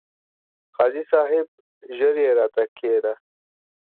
قاضي صاحب! ژر يې راته کښېږده ،